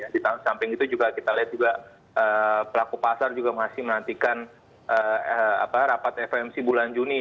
di samping itu juga kita lihat juga pelaku pasar juga masih menantikan rapat fomc bulan juni